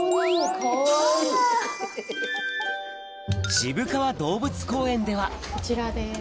渋川動物公園ではこちらです。